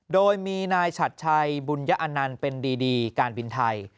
โดยมีนายฉัดชัยบุญญะอนันต์เป็นดีการบินไทย